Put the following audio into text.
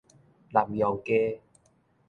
南陽街